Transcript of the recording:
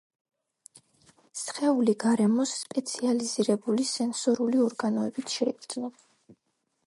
სხეული გარემოს სპეციალიზირებული სენსორული ორგანოებით შეიგრძნობს.